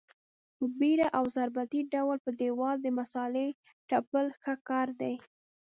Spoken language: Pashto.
په بېړه او ضربتي ډول په دېوال د مسالې تپل ښه کار دی.